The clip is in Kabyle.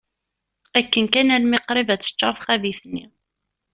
Akken kan, almi qrib ad teččar txabit-nni.